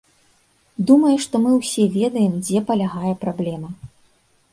Думаю, што мы ўсе ведаем, дзе палягае праблема.